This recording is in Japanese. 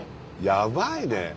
やばいね。